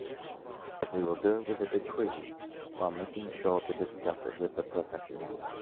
We will do it with a decree, while making sure to discuss it with the professionals.